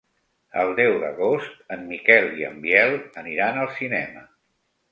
El deu d'agost en Miquel i en Biel aniran al cinema.